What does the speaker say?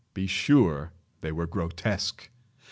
Be sure they were grotesque.